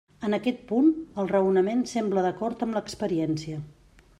En aquest punt, el raonament sembla d'acord amb l'experiència.